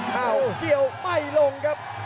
เข้าเที่ยวไม่ลงครับ